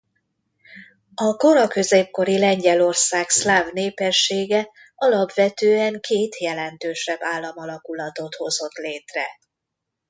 A kora középkori Lengyelország szláv népessége alapvetően két jelentősebb államalakulatot hozott létre.